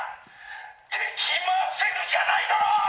できませぬじゃないだろ！